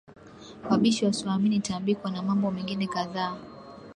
wabishi wasioamini tambiko na mambo mengine kadhaa